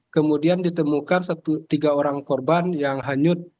kemudian ditemukan tiga orang korban yang hanyut